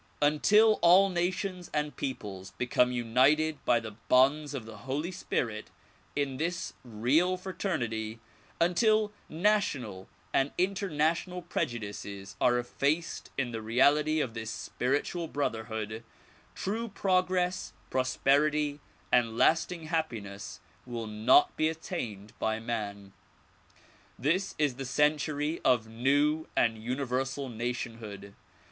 Until all nations and peoples become united by the bonds of the Holy Spirit in this real frater nity, until national and international prejudices are effaced in the reality of this spiritual brotherhood, true progress, prosperity and lasting happiness will not be attained by man. This is the century of new and universal nationhood.